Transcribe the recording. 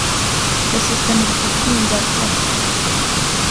Das ist Demokratie in der Praxis.